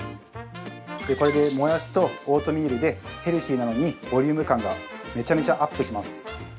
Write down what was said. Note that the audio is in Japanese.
◆これで、もやしとオートミールで、ヘルシーなのにボリューム感がめちゃめちゃアップします。